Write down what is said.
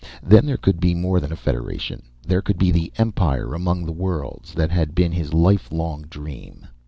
Then there could be more than a Federation; there could be the empire among the worlds that had been his lifelong dream.